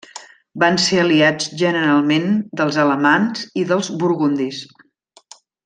Van ser aliats generalment dels alamans i dels burgundis.